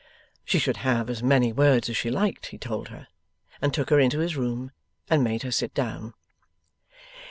She should have as many words as she liked, he told her; and took her into his room, and made her sit down.